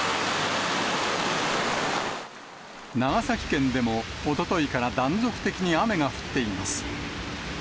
長崎県でもおとといから断続的に雨が降っています。